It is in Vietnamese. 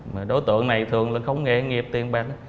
mà đối tượng này thường là không nghề nghiệp tiền bạc